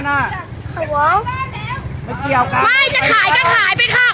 แล้วไงถ่ายบ้านก็ไม่จอกฝั่งประตูแล้วไง